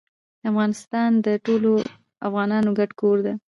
افغانستان د ټولو افغانانو ګډ کور ده.